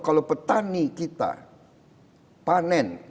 kalau petani kita panen